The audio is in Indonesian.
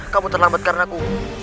kamu terlambat karena aku